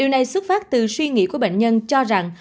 điều này xuất phát từ suy nghĩ của bệnh nhân cho rằng